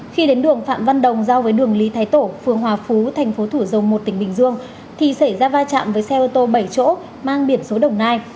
khi đến đường phạm văn đồng giao với đường lý thái tổ phương hòa phú tp thủ dâu một tỉnh bình dương thì xảy ra va chạm với xe ô tô bảy chỗ mang biển số đồng nai